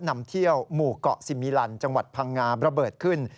นำเที่ยวหมู่เกาะสิมิลันจังหวัดพังงาระเบิดขึ้น